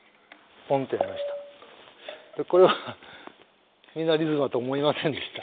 でこれはみんなリズムだと思いませんでした。